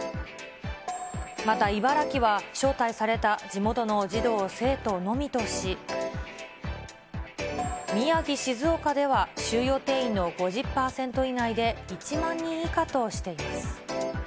また茨城は、招待された地元の児童・生徒のみとし、宮城、静岡では、収容定員の５０％以内で１万人以下としています。